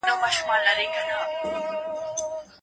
بهرنۍ پالیسي د وخت په تیریدو سره بدلون مومي.